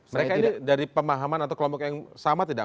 mereka ini dari pemahaman atau kelompok yang sama tidak